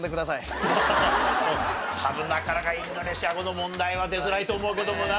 多分なかなかインドネシア語の問題は出づらいと思うけどもな。